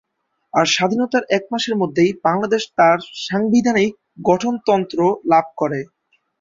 আর স্বাধীনতার এক মাসের মধ্যেই বাংলাদেশ তার সাংবিধানিক গঠনতন্ত্র লাভ করে।